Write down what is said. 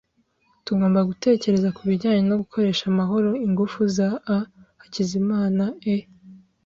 Tugomba gutekereza kubijyanye no gukoresha amahoro ingufu za a Hakizimana e.